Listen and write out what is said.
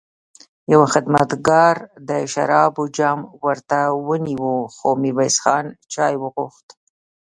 يوه خدمتګار د شرابو جام ورته ونيو، خو ميرويس خان چای وغوښت.